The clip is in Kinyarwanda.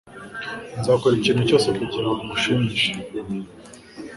Nzakora ikintu cyose kugirango ngushimishe